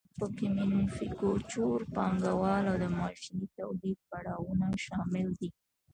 پکې مینوفکچور پانګوالي او د ماشیني تولید پړاوونه شامل دي